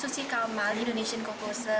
susi kamal indonesian composer